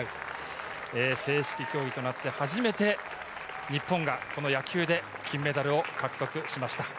正式競技となって初めて日本がこの野球で金メダルを獲得しました。